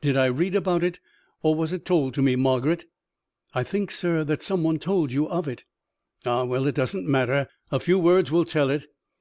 Did I read about it, or was it told to me, Margaret?" "I think, sir, that some one told you of it." "Ah, well, it doesn't matter. A few words will tell it.